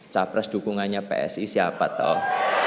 capres dukungannya psi siapa tau